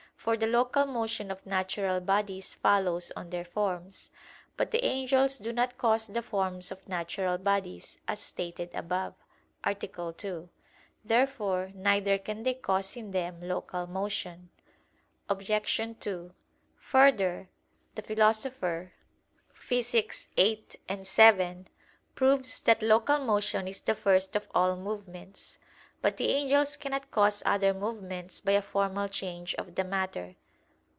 For the local motion of natural bodies follows on their forms. But the angels do not cause the forms of natural bodies, as stated above (A. 2). Therefore neither can they cause in them local motion. Obj. 2: Further, the Philosopher (Phys. viii, 7) proves that local motion is the first of all movements. But the angels cannot cause other movements by a formal change of the matter.